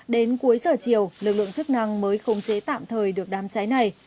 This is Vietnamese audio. đến cuối giờ chiều lực lượng chức năng mới khống chế tạm thời được đám cháy này